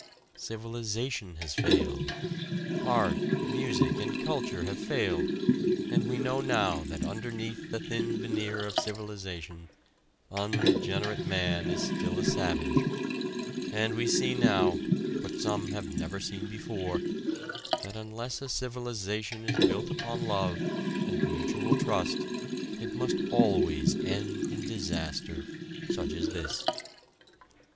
Civilization has failed. Art, music, and culture have failed, and we know now that underneath the thin veneer of civilization, unregenerate man is still a savage; and we see now, what some have never seen before, that unless a civilization is built upon love, and mutual trust, it must always end in disaster, such as this.